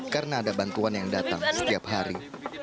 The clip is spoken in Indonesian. karena ada bantuan yang datang setiap hari